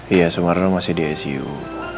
iya sumarno masih di icu